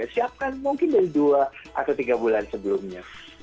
siapkan mungkin dari dua atau tiga bulan sebelumnya